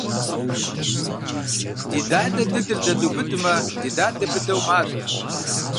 Ди дадэ дыдыр дэдубыдмэ, ди дадэ быдэу мадэ.